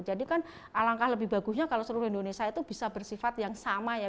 jadi kan alangkah lebih bagusnya kalau seluruh indonesia itu bisa bersifat yang sama ya